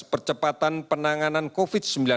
percepatan penanganan covid sembilan belas